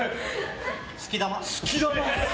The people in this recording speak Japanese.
好き玉。